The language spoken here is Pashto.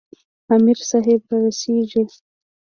امیر صاحب را رسیږي.